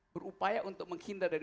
berupaya untuk menghindar dari